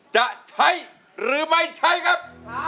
จะใช้หรือไม่ใช้ครับ